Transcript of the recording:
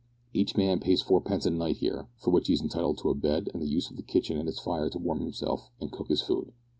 Each man pays fourpence a night here, for which he is entitled to a bed and the use of the kitchen and its fire to warm himself and cook his food.